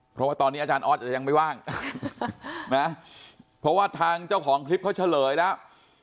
เพราะว่าตอนนี้อาจารย์ออสยังไม่ว่างนะเพราะว่าทางเจ้าของคลิปเขาเฉลยแล้ว